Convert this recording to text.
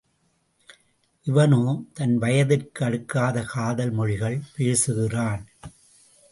இவனோ தன் வயதிற்கு அடுக்காத காதல் மொழிகள் பேசுகிறான்.